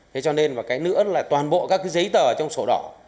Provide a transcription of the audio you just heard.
thế cho nên và cái nữa là toàn bộ các cái giấy tờ trong sổ đỏ